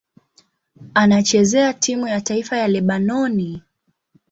Anachezea timu ya taifa ya Lebanoni.